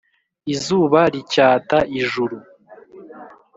izuba ricyata ijuru